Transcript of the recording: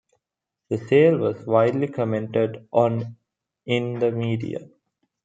The sale was widely commented on in the media.